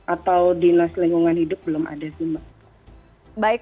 atau dinas lingkungan hidup belum ada sih mbak